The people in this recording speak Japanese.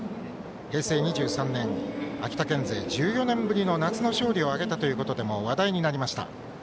平成２３年、秋田県勢として１４年ぶりの夏の勝利を挙げたことでも話題になりました。